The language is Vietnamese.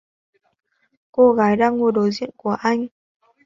Cô gái đang ngồi đối diện của anh